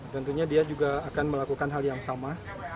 tentunya dia juga akan melakukan hal yang sama